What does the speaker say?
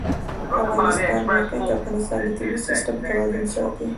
د افغانستان د موقعیت د افغانستان د طبعي سیسټم توازن ساتي.